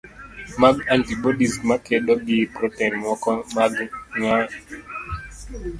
mag antibodies makedo gi protein moko mag ngano maketho ofuko matinni,